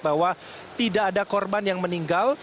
bahwa tidak ada korban yang meninggal